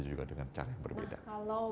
juga dengan cara yang berbeda nah kalau